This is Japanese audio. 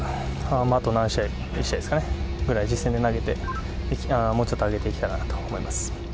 あと何試合、１試合ですかね、実戦で投げて、もうちょっと上げていきたいなと思います。